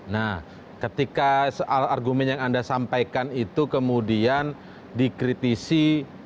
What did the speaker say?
nah ketika soal argumen yang anda sampaikan itu kemudian dikritisi